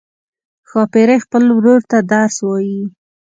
ښاپیرۍ خپل ورور ته درس وايي.